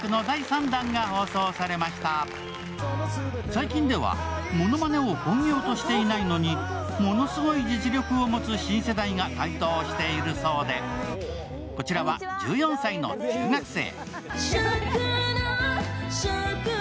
最近では、ものまねを本業としていないのにものすごい実力を持つ新世代が台頭しているそうでこちらは１４歳の中学生。